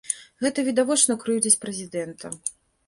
Гэта відавочна крыўдзіць прэзідэнта.